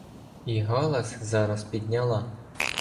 І галас зараз підняла: